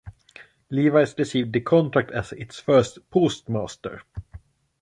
Lewis received the contract as its first postmaster.